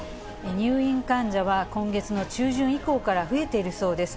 入院患者は今月の中旬以降から増えているそうです。